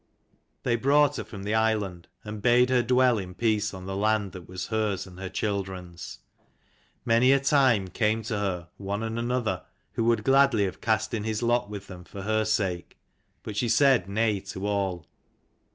They brought her from the island, and bade her dwell in peace on the land that was hers and her children's. Many a time came to her one and another who would gladly have cast in his lot with them for her sake : but she said nay to all.